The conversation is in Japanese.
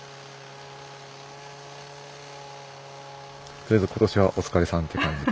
とりあえず今年はお疲れさんっていう感じ。